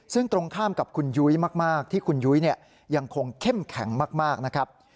ซึ่งตรงข้ามกับคุณยุ้ยมากที่คุณยุ้ยยังคงเข้มแข็งมากนะครับ